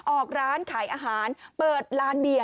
ออกร้านขายอาหารเปิดร้านเบียร์